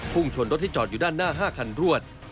ชนรถที่จอดอยู่ด้านหน้า๕คันรวด